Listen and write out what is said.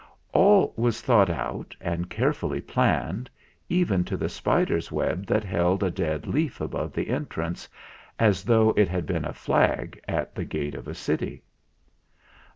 All was thought out and carefully planned, even to the spider's web that held a dead leaf above the entrance, as though it had been a flag at the gate of a city.